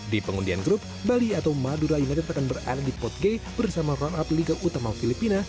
di pengundian grup bali atau madura united akan berada di pot g bersama run up liga utama filipina